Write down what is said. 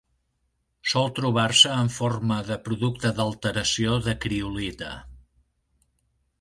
Sol trobar-se en forma de producte d'alteració de criolita.